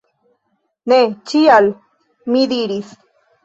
Ne, ĉial! mi diris.